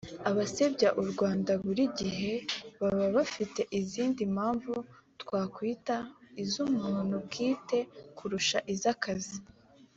Abasebya u Rwanda buri gihe baba bafite izindi mpamvu twakwita z’umuntu bwite kurusha izakazi